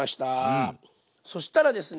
そしたらですね